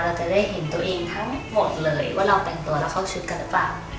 เราจะได้เห็นตัวเองทั้งหมดเลยว่าเราแต่งตัวแล้วเข้าชุดกันหรือเปล่า